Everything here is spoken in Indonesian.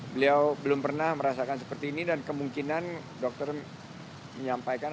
beliau belum pernah merasakan seperti ini dan kemungkinan dokter menyampaikan